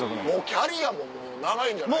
キャリアも長いんじゃないですか？